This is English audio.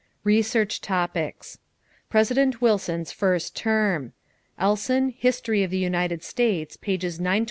=Research Topics= =President Wilson's First Term.= Elson, History of the United States, pp. 925 941.